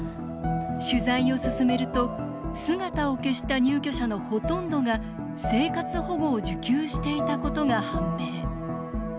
取材を進めると姿を消した入居者のほとんどが生活保護を受給していたことが判明。